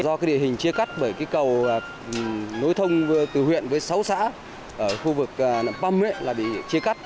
do địa hình chia cắt bởi cầu nối thông từ huyện với sáu xã ở khu vực nạm phâm bị chia cắt